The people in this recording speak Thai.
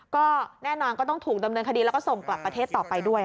ก็แน่นอนก็ต้องถูกดำเนินคดีแล้วก็ส่งกลับประเทศต่อไปด้วย